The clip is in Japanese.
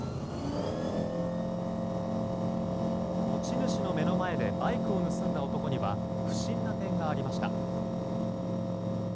持ち主の目の前でバイクを盗んだ男には不審な点がありました。